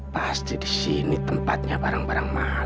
pasti disini tempatnya barang barang mahal